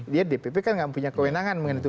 dia dpp kan nggak punya kewenangan mengenai itu